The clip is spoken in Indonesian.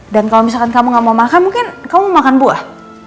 dan kalau misalkan kamu gak mau makan mungkin kamu mau makan buah